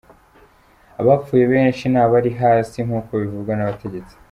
Abapfuye benshi n’abari hasi, nk’uko bivugwa n’abategetsi.